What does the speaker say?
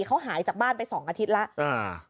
เขาหายจากบ้านไป๒อาทิตย์แล้ว